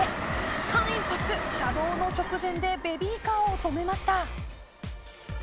間一髪、車道の直前でベビーカーを止めました。